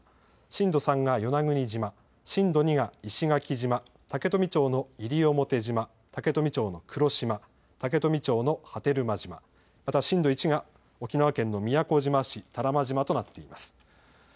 震度３が与那国島、震度２が石垣島、竹富町の西表島、竹富町の黒島、竹富町の波照間島、また震度１が沖縄県の宮古島市多良間島となっています。